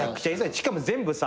しかも全部さ。